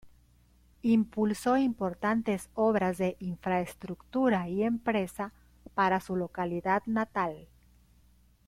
Impulsó importantes obras de infraestructura y empresa para su localidad natal.